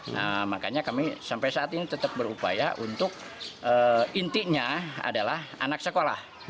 nah makanya kami sampai saat ini tetap berupaya untuk intinya adalah anak sekolah